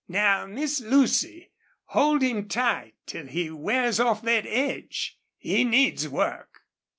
"Now, Miss Lucy, hold him tight till he wears off thet edge. He needs work."